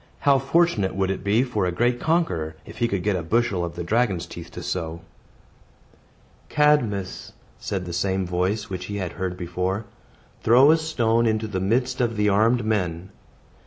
How fortunate would it be for a great conqueror, if he could get a bushel of the dragon's teeth to sow! "Cadmus," said the same voice which he had before heard, "throw a stone into the midst of the armed men."